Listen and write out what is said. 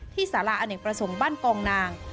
ที่ศาลาอเนกประสงค์บ้านกองนาง